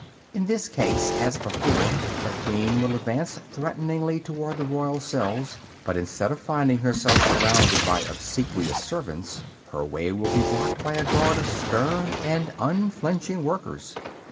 In this case, as before, the queen will advance threateningly towards the royal cells; but instead of finding herself surrounded by obsequious servants, her way will be blocked by a guard of stern and unflinching workers.